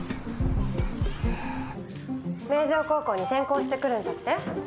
明城高校に転校してくるんだって？